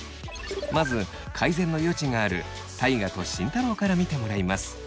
まず改善の余地がある大我と慎太郎から見てもらいます。